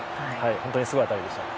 本当にすごい当たりでしたね。